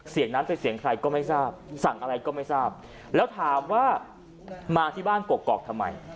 เสียงนั้นเป็นเสียงใครก็ไม่ทราบสั่งอะไรก็ไม่ทราบแล้วถามว่ามาที่บ้านกกอกทำไม